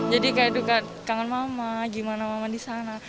jadi kayak duka kangen mama gimana mama disana